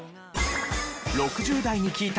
６０代に聞いた！